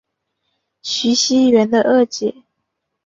徐熙媛的二姐。